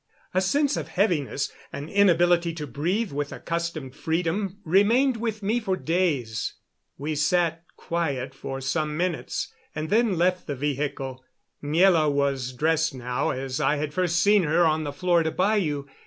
A sense of heaviness, an inability to breathe with accustomed freedom, remained with me for days. We sat quiet for some minutes, and then left the vehicle. Miela was dressed now as I had first seen her on the Florida bayou.